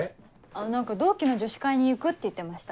何か同期の女子会に行くって言ってました。